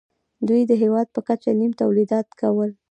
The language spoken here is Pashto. دوی د هېواد په کچه نیم تولیدات کول